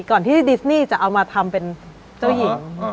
ก่อนที่ดิสนี่จะเอามาทำเป็นเจ้าหญิง